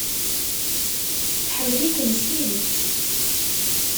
Tḥemmel-ikem s tidet.